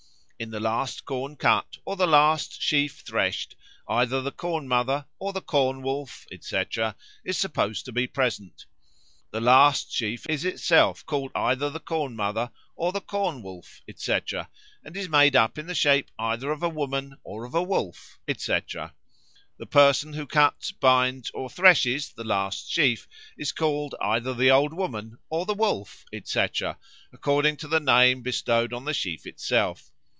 In the last corn cut or the last sheaf threshed either the Corn mother or the Corn wolf, etc., is supposed to be present. The last sheaf is itself called either the Corn mother or the Corn wolf, etc., and is made up in the shape either of a woman or of a wolf, etc. The person who cuts, binds, or threshes the last sheaf is called either the Old Woman or the Wolf, etc., according to the name bestowed on the sheaf itself.